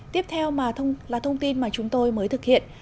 tiếp theo là thông tin mà chúng tôi mới thực hiện